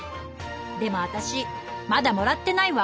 でも私まだもらってないわ。